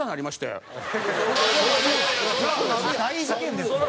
大事件ですもん。